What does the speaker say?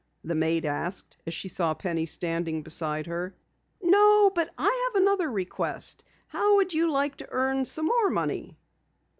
the maid asked as she saw Penny standing beside her. "No, but I have another request. How would you like to earn some more money?"